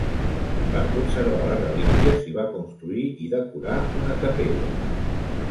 Per conservar la relíquia s'hi va construir i decorar una capella.